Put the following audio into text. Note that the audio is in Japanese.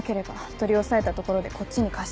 取り押さえたところでこっちに過失。